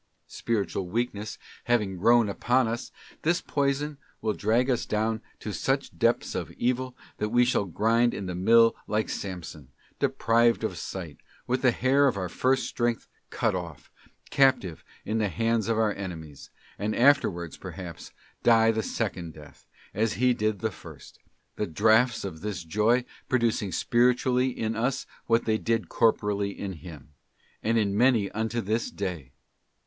Spiritual weakness having grown upon us, this poison will drag us down to such depths of evil that we shall grind in the mill like Samson, t deprived of sight, with the hair of our first strength cut off, captives in the hands of our enemies; and afterwards, perhaps, die the second death, as he did the first: the draughts of this joy producing spiritually in us what they did corporally in him, and in many unto this day.